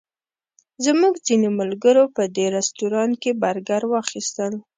زموږ ځینو ملګرو په دې رسټورانټ کې برګر واخیستل.